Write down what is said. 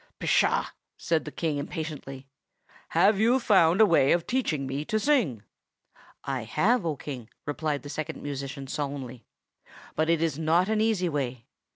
"Pshaw!" said the King impatiently. "Have you found a way of teaching me to sing?" "I have, O King," replied the Second Musician solemnly; "but it is not an easy way.